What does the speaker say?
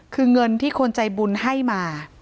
คือเงินที่คนใจบุญให้มา